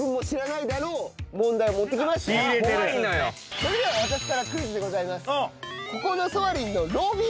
それでは私からクイズでございます。